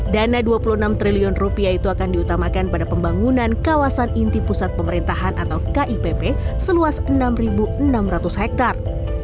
dana dua puluh enam triliun itu akan diutamakan pada pembangunan kawasan inti pusat pemerintahan atau kipp seluas enam enam ratus hektare